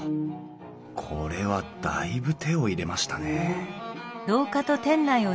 これはだいぶ手を入れましたねえ